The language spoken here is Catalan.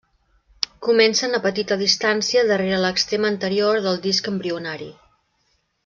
Comencen a petita distància darrera l’extrem anterior del disc embrionari.